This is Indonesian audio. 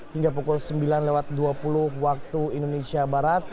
hingga pukul sembilan lewat dua puluh waktu indonesia barat